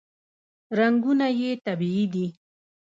رنګونه یې طبیعي دي.